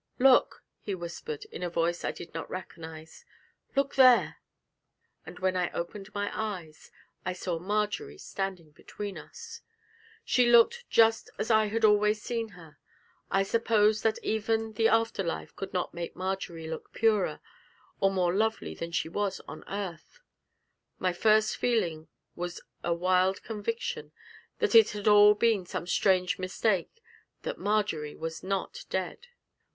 'Look,' he whispered, in a voice I did not recognise, 'look there!' And when I opened my eyes, I saw Marjory standing between us! She looked just as I had always seen her: I suppose that even the after life could not make Marjory look purer, or more lovely than she was on earth. My first feeling was a wild conviction that it had all been some strange mistake that Marjory was not dead.